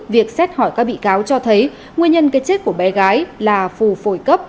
việc xét hỏi các bị cáo cho thấy nguyên nhân cái chết của bé gái là phù phổi cấp